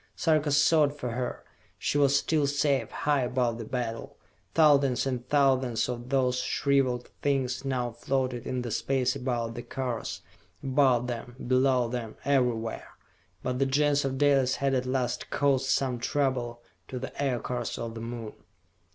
Sarka sought for her. She was still safe, high above the battle. Thousands and thousands of those shriveled things now floated in the space about the cars, above them, below them, everywhere. But the Gens of Dalis had at last caused some trouble to the Aircars of the Moon.